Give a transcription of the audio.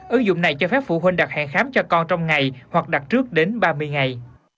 ứng dụng này cho phép phụ huynh đặt hàng khám cho con trong ngày hoặc đặt trước đến ba mươi ngày